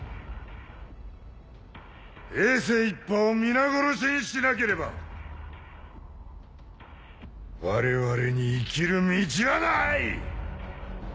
政一派を皆殺しにしなければ我々に生きる道はない！